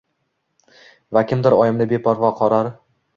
va kimdir loyimni beparvo qorar